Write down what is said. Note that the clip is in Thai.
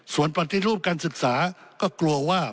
ส่วนปฏิรูปการศึกษาก็กลัวว่า